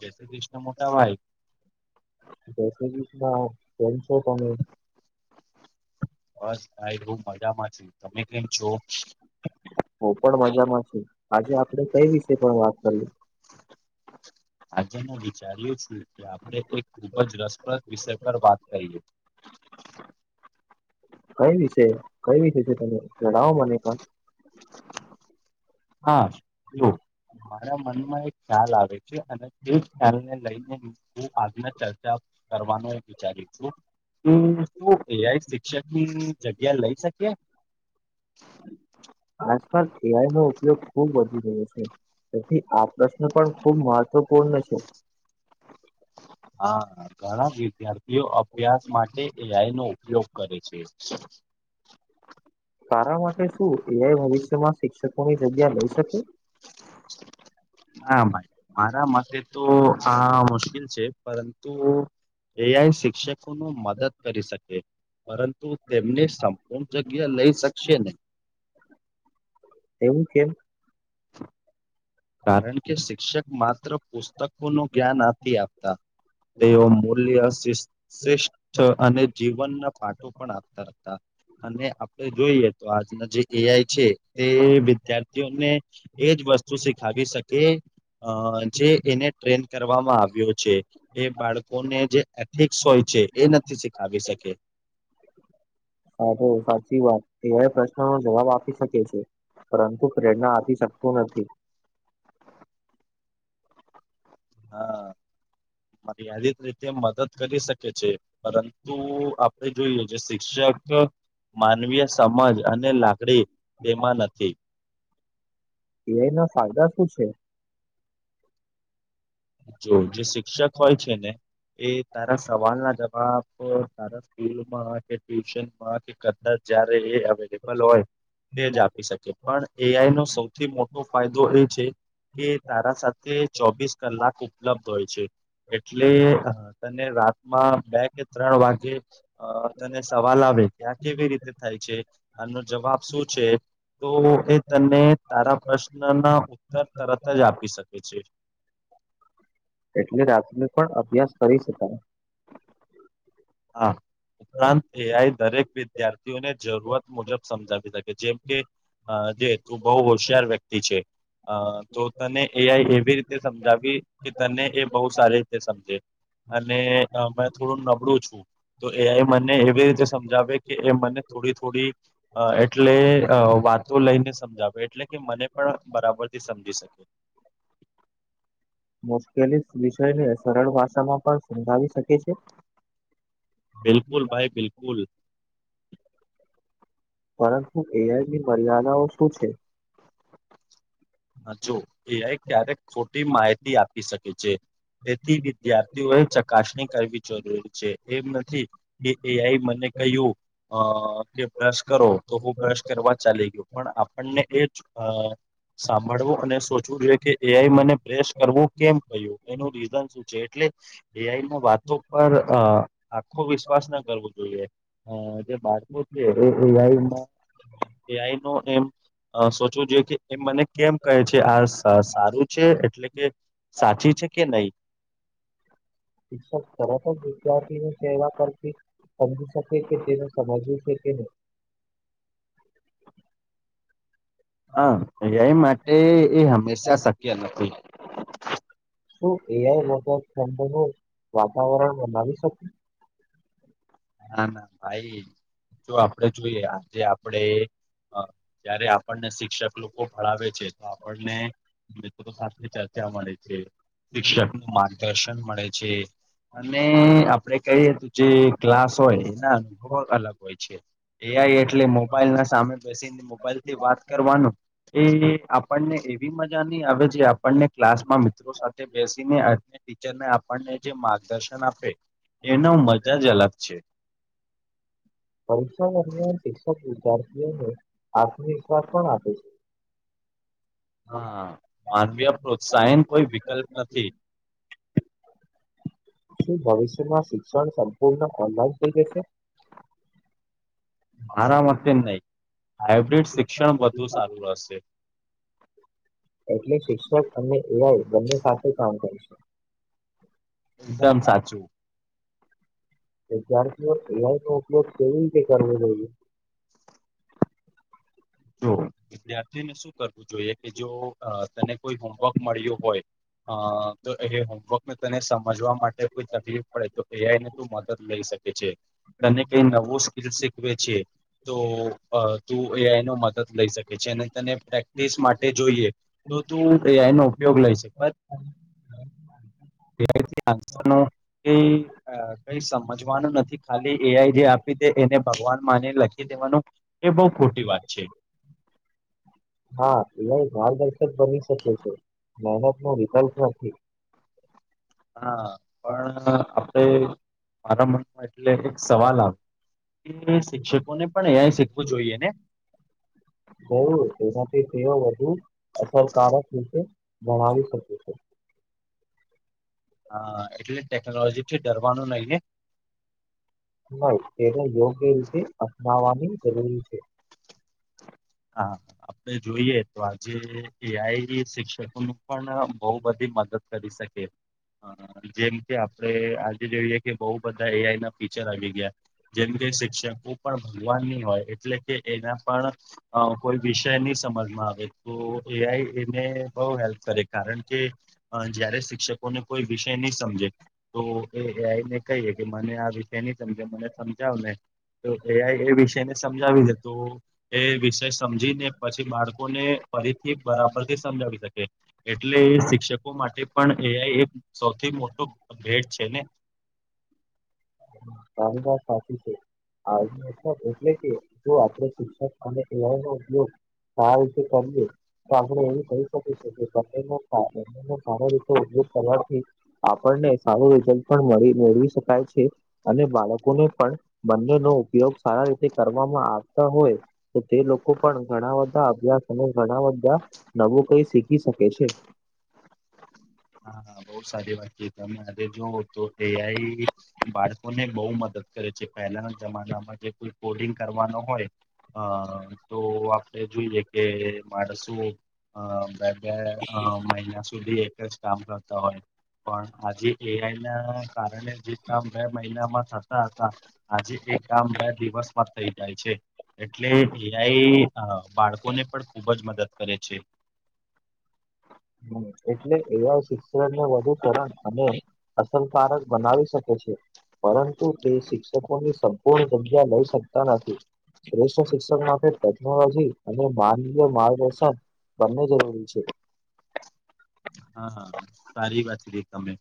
જય શ્રી કૃષ્ણ મોટા ભાઈ. જય શ્રી કૃષ્ણ કેમ છો તમે? બસ ભાઈ હું મજામાં છું, તમે કેમ છો? હું પણ મજામાં છું આજે આપણે કઈ વિશે પણ વાત કરી? આજે હું વિચારીયું છું કે આપણે એક ખુબ જ રસપ્રદ વિષય પર વાત કરીએ. કઈ વિશે કઈ વિશે તમે જણાવો મને પણ. હા, જો મારા મનમાં એક ખ્યાલ આવે છે અને એ ખ્યાલને લઈને હું આજના ચર્ચા કરવાનો એક વિચારી છું, હમ્મ. તું એ આઈ શિક્ષક ની જગ્યા લઈ શકે? આજકાલ એ આઈ નો ઉપયોગ ખુબ વધી રહ્યો છે. તેથી આ પ્રશ્ન પણ ખુબ મહત્વપૂર્ણ છે. હા ઘણા વિધાર તેઓ અભ્યાસ માટે એ આઈ નો ઉપયોગ કરે છે. તારા માટે શું એ આઈ ભવિષ્યમાં શિક્ષકોની જગ્યા લઈ શકે? ના ભાઈ મારા મતે તો આ મુશ્કેલ છે. પરંતુ એ આઈ શિક્ષક મદદ કરી શકે પરંતુ તેમને સંપૂર્ણ જગ્યા લઈ શકશે નહી. એવું કેમ? કારણ કે શિક્ષક માત્ર પુસ્તકો નું જ્ઞાન નથી આપતા. તેઓ મૂલ્ય શિસ્ત શ્રેષ્ઠ અને જીવનના પાઠો પણ આપતા હતા. અને આપડે જોઈએ તો આજના જે એ આઈ છે તે વિદ્યાર્થીઓને એજ વસ્તુ શીખાવી શકે અ જે એને ટ્રેન કરવામાં આવ્યો છે. એ બાળકોને જે એથિક્સ હોય છે એ નથી શીખાવી શકે. હા, ભઈ સાચી વાત. એઆઈ પ્રશ્નનો જવાબ આપી શકે છે. પરંતુ પ્રેરણા આપી શકતું નથી. હા, મતયાલી તે તે મદદ કરી શકે છે. પરંતુ આપણે જોઈએ જે શિક્ષક માનવીય સમજ અને લાગડી તેમાં નથી. એ આઈ ના ફાયદા શું છે? જો જે શિક્ષક હોય છે ને એ તારા સવાલ ના જવાબ બ તારા સ્કૂલમાં કે ટ્યુશનમાં કે કદાચ જયારે એ બલ હોય તેજ આપી શકે પણ એઆઈનો સૌથી મો ટો ફાયદો એ છે કે તારા સાથે ચોવીસ કલાક ઉપલબ્ધ હોય છે. એટલે તને રાતમાં બે કે ત્રણ વાગે અ તને સવાલ આવે કે આ કેવી રીતે થાય છે આનો જવાબ શું છે તો એ તને તારા પ્રશ્નના ઉત્તર તરત જ આપી શકે છે. એટલે રાતને પણ અભ્યાસ કરી શકાય. હા, ઉપરાંત એઆઈ દરેક વિદ્યાર્થીઓને જરૂરત મુજબ સમજાવી શ જેમ કે, અ જે તું બહુ હોશિયાર વ્યક્તિ છે. અ તો તને એઆઈ એવી રીતે સમજાવી કે તને એ બહુ સારી રીતે સમજે. અને અ મે થોડું નબળું છું તો એઆઈ મને એવી રીતે સમજાવે કે એ મને થોડી થોડી એટલે અ વાતો લઈને સમજાવે એટલે કે મને પણ બરાબરથી સમજી શકે. મુશ્કેલી વિષયને સરળ ભાષામાં પણ સમજાવી શકે છે બિલકુલ ભાઈ, બિલકુલ. પરંતુ એઆઈની મર્યાદાઓ શું છે? હા જો એઆઈ ક્યારેક ખોટી માહિતી આપી શકે છે. તેથી વિદ્યાર્થીઓએ ચકાસણી કરવી જરૂરી છે એમ નથી એ એઆઈ મને કહ્યું અ કે બ્રશ કરો તો હું બ્રશ કરવા ચાલી ગયો પણ આપણને એ જ અ સાંભળવો અને સોચવું જોઈએ કે એ આઈ મને પ્રેસ કરવું કેમ કહ્યું એનું રીઝન શું છે એટલે એઆઈના વાતો પર અ આખો વિશ્વાસ ન કરવો જોઈએ. અ જે બાળકો છે એ એઆઈમાં એઆઈનો એમ અ સોચવું જો ઈકે એ મને કેમ કહે છે આ સા સારું છે એટલે કે સાચી છે કે નઈ. શિક્ષક તરત જ વિદ્યાર્થીની સેવા કરથી સમજી શકે કે જેને સમજવું છે કે નઈ. હા, એઆઈ માટે એ હંમેશા શક્ય નથી. શું એઆઈ [unintelligible] વાતાવરણ બનાવી શકે? ના ના, ભાઈ જો આપડે જોઈએ આજે આપડે અ જયારે આપણને શિક્ષક લોકો ભણાવે છે તો આપણને મિત્રો સાથે ચ ર્ચા મળે છે શિક્ષકનું માર્ગદર્શન મળે છે. અને આપડે કહીએ તો જે ક્લાસ હોય એના અનુભવ અલગ હોય છે. એઆઈ એટલે મોબાઈલના સામે બેસીને મોબાઈલથી વાત કરવાનું એ આપ ણને એવી મજા ની આવે જે આપણને ક્લાસમાં મિત્રો સાથે બેસીને ટીચરને આપણને જે માર્ગદર્શન આપે એનો મજા જ અલગ છે. પરીક્ષા દરમિયાન શિક્ષક વિદ્યાર્થીઓને આત્મવિશ્વાસ પણ આપે છે. હા, માનવીય પ્રોત્સાહીન કોઈ વિકલ્પ નથી. [inaudible] શું ભવિષ્યમાં શિક્ષણ સંપૂર્ણ ઓનલાઈન થઈ જશે? મારા માટે નઈ હાઈબ્રિડ શિક્ષણ વધુ સારું રહશે. એટલે શિક્ષક અને એઆઈ બંને સાથે કામ કરશે. એકદમ સાચું. [unintelligible] એ આઈ નો ઉપયોગ સેવિંગ થી કરવું જોઈએ. જો વિદ્યાર્થીઓને શું કરવું જોઈએ કે જો તને કોઈ હોમવર્ક મળ્યો હોય અ તો એ હોમવર્ક તને સમજવા માટે કોઈ તકલીફ પડે તો એ આઈ ને મદદ લઈ શકે છે. તને કઈ નવું સ્કીલ શીખવે છે તો અ તું એ આઈ નો મદદ લઈ શકે છે અને તને પ્રેક્ટિસ માટે જોઈએ તો તું એ આઈનો ઉપયોગ લઈ શકે [unintelligible] કઈ સમજવાનું નથી ખાલી એઆઈ જે આપી તે એને ભગવાન માને લખી દેવાનું એ બહુ ખોટી વાત છે. હા એલા ભારદર્શક બની શકે છે મહેનત નો વિકલ્પ નથી. હા પણ આપડે મારા મનમાં એટલે એક સવાલ આવે કે શિક્ષકો ને પણ એઆઇ શીખવું જોઈએ ને? તેમાંથી તેઓ વધુ અસરકારક રીતે ભણાવી શકે છે. હા એટલે ટેકનોલોજી થી ડરવાનું નહી ને. નહી તેને યોગ્ય રીતે અપનાવાની જરૂરી છે. હા આપડે જોઈએ તો આજે એ આઈ શિક્ષકોનું પણ બહુ બધી મદદ કરી શકે જેમ કે આપડણે આ જોઈએ કે બહ બધા એ આઈ ના ફીચર આવી ગયા જેમ કે શિક્ષકો પણ ભગવાનની હોય એટલે કે એના પણ અ કોઈ વિષય નહી સમજમાં આવે તો એઆઈ બહ હેલ્પ કરે કારણ કે જયારે શિક્ષકોને કોઈ વિષય નહી સમજે. તો એ આઈને કહીએે કે મને આ વિષય નની સમજ મને સમજાવ ને તો એ એ વિષયને સમજાવી છે તો એ વિષ સમજી ને પછી બાળકોને ફરીથી બરાબર થી સમજાવી શકે. એટલે એ શિક્ષકો માટે પણ એઆઇ એક સૌથી મોટો ભેટ છે ને. ત વા સાચી છે. હ એટલે કે જો આપડ શિક્ષક અને એવા ન ઉપયોગ સી કરજે તો આપણેે એમ કહી શકીશ. [unintelligible] આપણને સારું રિઝલ્ટ પણ મેળવી શકાય છે. અને બાળકોને પણ બંને નો ઉપયોગ સારા રીતે કરવામાં આવતા હોય. તો તે લોકો પણ ઘણા બધા અભ્યાસ અને ઘણા બધા નવું કઈ શીખી શકે છે. હા બહુ સારી વાત છેી હતી અ આરે જો તો એઆઈ બાળકો ને બહુ મદદ કરે છે પહેલાના જમાનામાં જે કોઈ કોડિંગ કરવાનો હોય. હ તો આપડણે જોઈએ કે મારે શું બે મહિના સુધી એક જ કામ કરતા હોય. પણ આજે એઆઈ ના કારણે જે કામ બે મહિનામાં થતા હતા. આજે એક કામ બે દિવસમાં થઈ જાય છે. એટલે એઆઈ બાળકોને પણ ખુબ જ મદદ કરે છે. એટલે એવા શિક્ષણને વધુ તણ અને અસરકારક બનાવી શકે છે. પરંતુ તે શિક્ષકોની સંપૂર્ણ જગ્યા લઈ શકતા નથી. શ્રેષ્ઠ શિક્ષક માટે ટેકનોલોજી અને માનવીય માર્ગદર્શન બંને જરૂરી છે. હા સારી વાત છે તમે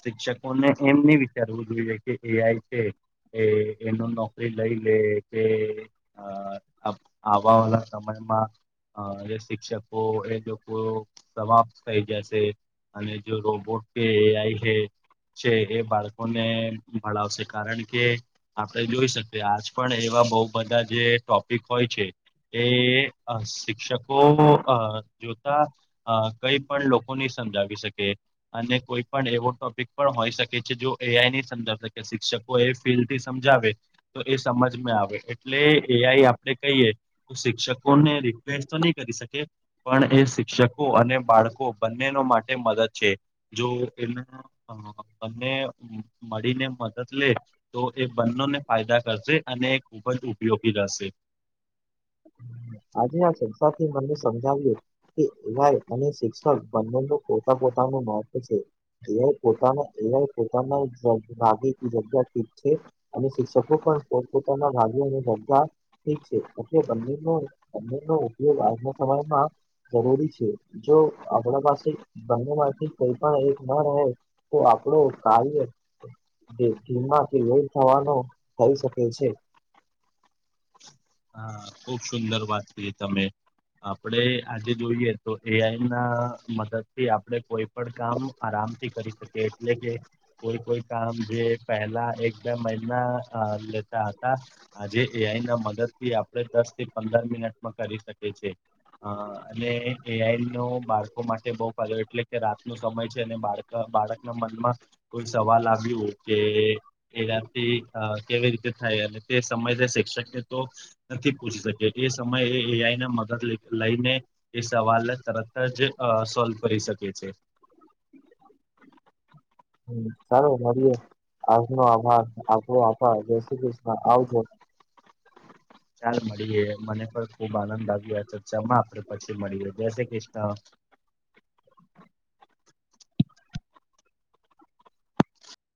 શિક્ષકોને એમ ન વિચારવું જોઈએ કે એ આઈ છે એ એનું નોકરી લઈ લે કે અ આવા વાળ સમયમાં અ જે શિક્ષકો એ લોકો સવાપ થઈ જશે અને જો રોબોટ કે એ આઈ હે છે એ બાળકોને ભણાવશે કારણ કે આપડણે જોઈ શકીએ આજ પણ એવા બહું બધા જે ટોપિક હોય છે. એ સ શિક્ષકો જોતા કઈ પણ લોકો નહી સમજાવી શકે. અને કોઈ પણ એવો ટોપિક પણ હોય શકે છે જો એઆઈ નની સમજર્કે શિક્ષક એ ફીલ થી સમજાવે તો એ સમજમાં આવે એટલે એઆઈ આપણે કહીએ શિક્ષકોને રિક્વેસ્ટ તો નહી કરી શકે પણ એ શિક્ષકો અને બાળકો બંનેનો માટે મદદ છે જો એના બને મળીને મદદ લે તો એ બંનેને ફાયદા કરશે અને એ ખૂબ જ ઉપયોગી રહેશે. [unintelligible] આજે આ સંસ્થાથી મને સમજાવ્યું કેય અને શિક્ષક બંનેનું પોતા પોતાનું મહત્વ છે એવા પોતાના એવા પોતાનાગ જગ્યા છે અને શિક્ષકો પણ પોત પોતાના ભાગ્યને ભગા ઠીક છે બનો બનો ઉપયોગ આજના સમયમાં જરૂરી છે જો આપણા પાસે બનેથી કોઈ પણ એક ના રહે તો આપડો કામ છે જે ધીમાંથી લોલ થવાનો થઈ શકે છે હા ખુબ સુંદર વાત છે તમે આપણે આજે જોઈએ તો એઆઈ ના મદદ થી આપણે કોઈ પણ કામ આરામથી કરી શકે એટલે કે કોઈ કોઈ કામ જે પહેલા એક બે મહિના લેતા હતા આજે એઆઈ ના મદદ થી આપણે દસ થી પંદર મિનટમાં કરી શકીએ છે હ અને એઆઈ નો બાળકો માટે બહ ફાયદો એટલે કે રાત ન સમય છે અને બાળ બાળકના મનમાં કોઈ સવાલ આવ્યું કે એ વાથી કેવી રીતે થાય અને તે સમય શિક્ષકને તો નથી પહચી શકે એ સમયે એ એ આઈ ને મદદ લઈને એ સવાલને તરત જ સોલ્વ કરી શકે છે ચાલો મળએે આજનો આભાર આપો આપ રેસીપી આવજો ચાલ મળીએ મને પણ ખુબ આનંદ આવી્યો તો જમા આપડે પછી મળીએ જસે ક્રષ્ણ